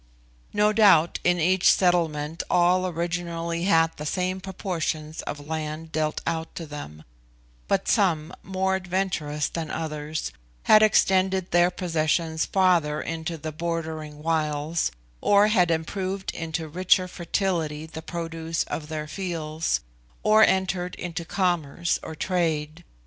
No doubt, in each settlement all originally had the same proportions of land dealt out to them; but some, more adventurous than others, had extended their possessions farther into the bordering wilds, or had improved into richer fertility the produce of their fields, or entered into commerce or trade.